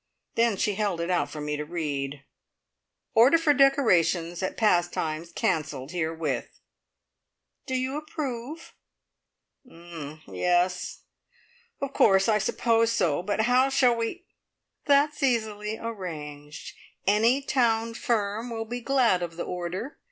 Then she held it out for me to read: "Order for decorations at Pastimes cancelled herewith." "Do you approve?" "Er oh, yes, of course I suppose so. But how shall we " "That's easily arranged. Any town firm will be glad of the order.